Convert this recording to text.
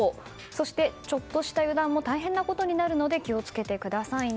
そして、ちょっとした油断も大変なことになるので気を付けてくださいね。